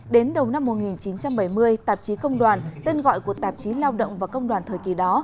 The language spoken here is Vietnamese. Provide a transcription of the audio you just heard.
đến đầu năm một nghìn chín trăm bảy mươi tạp chí công đoàn tên gọi của tạp chí lao động và công đoàn thời kỳ đó